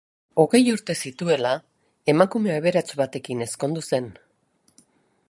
Hogei urte zituela, emakume aberats batekin ezkondu zen.